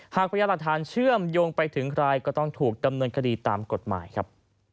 หากพยาบาทธานเชื่อมโยงไปถึงรายก็ต้องถูกกำเนินคดีตามกฎหมายครับ